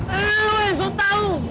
sekiranya kamu caucasial selesai